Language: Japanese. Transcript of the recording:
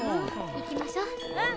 行きましょう。